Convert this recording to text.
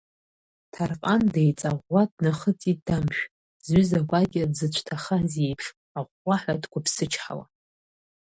Ҭарҟан деиҵаӷәӷәа днахыҵит Дамшә, зҩыза гәакьа дзыцәҭахаз иеиԥш, ахәхәаҳәа дқәыԥсычҳауа…